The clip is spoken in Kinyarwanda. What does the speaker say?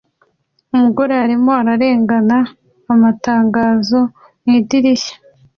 Umugore arimo arengana amatangazo mu idirishya